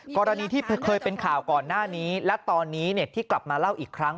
กรณีที่เคยเป็นข่าวก่อนหน้านี้และตอนนี้ที่กลับมาเล่าอีกครั้ง